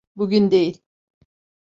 Bugün değil.